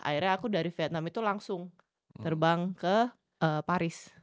akhirnya aku dari vietnam itu langsung terbang ke paris